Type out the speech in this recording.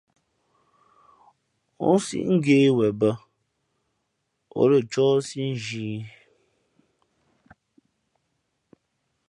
O sǐʼ ngě wen bᾱ, ǒ lα cóhsí nzhī ī .